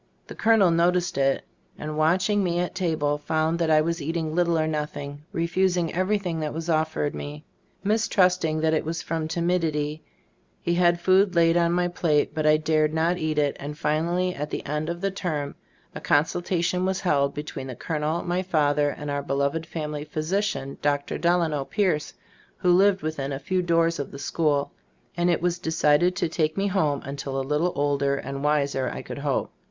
The colonel noticed it, and watching me at table found that I was eating little or nothing, refusing everything that was offered me. Mis trusting that it was from timidity, he Gbe 5tor£ of d&E Gbilbboofc 47 had food laid on my plate, but I dared not eat it, and finally at the end of the term a consultation was held be tween the colonel, my father and our beloved family physician, Dr. Delano Pierce, who lived within a few doors of the school, and it was decided to take me home until a little older, and wiser, I could hope.